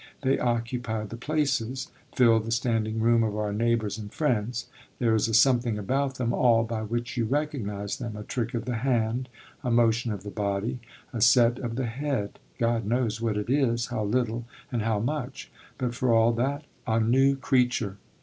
They occupy the places, fill the standing room of our neighbours and friends; there is a something about them all by which you recognise them a trick of the hand, a motion of the body, a set of the head (God knows what it is, how little and how much); but for all that a new creature!